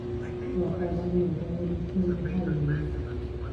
• وفادار ملګری د ستونزو حل مومي.